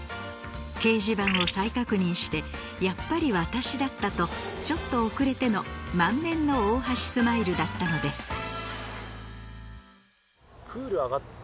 掲示板を再確認してやっぱり私だった！とちょっと遅れての満面の大橋スマイルだったのです。